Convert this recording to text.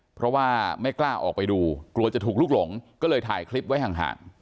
เพราะว่าไม่กล้าออกไปดูกลัวจะถูกลุกหลงก็เลยถ่ายคลิปไว้ห่าง